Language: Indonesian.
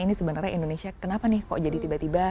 ini sebenarnya indonesia kenapa nih kok jadi tiba tiba